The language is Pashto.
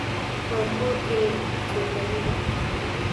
په کور کې سوکالی ده